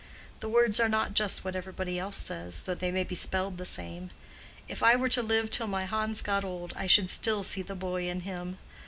Their words are not just what everybody else says, though they may be spelled the same. If I were to live till my Hans got old, I should still see the boy in him.